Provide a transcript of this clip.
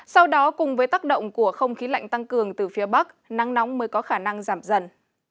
sau đó cùng với tác động của không khí lạnh tăng cường từ phía bắc nắng nóng mới có khả năng giảm dần